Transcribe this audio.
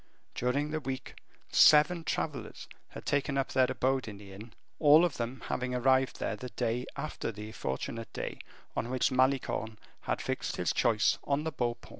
During the week, seven travelers had taken up their abode in the inn, all of them having arrived there the day after the fortunate day on which Malicorne had fixed his choice on the Beau Paon.